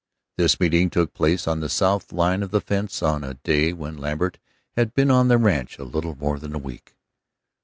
This meeting took place on the south line of the fence on a day when Lambert had been on the ranch a little more than a week.